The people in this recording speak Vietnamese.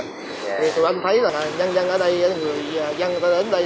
thì tụi em thấy là nhân dân ở đây người dân người ta đến đây